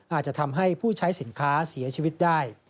อาจจะทำให้ผู้ใช้สินค้าเสียชีวิตได้